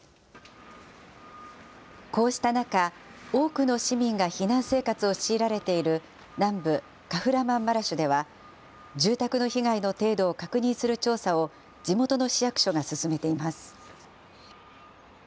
こうした中、多くの市民が避難生活を強いられている南部カフラマンマラシュでは、住宅の被害の程度を確認する調査を地元の市役所が進めています。